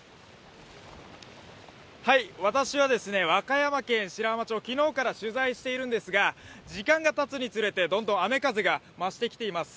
私は和歌山県白浜町、昨日から取材しているんですが、時間がたつにつれてどんどん雨風が増しています。